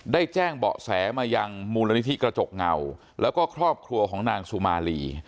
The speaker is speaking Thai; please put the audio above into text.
ได้แจ้งเบาะแสมายังมูลนิธิกระจกเงาแล้วก็ครอบครัวของนางสุมาลี